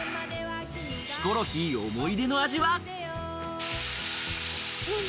ヒコロヒー思い出の味は？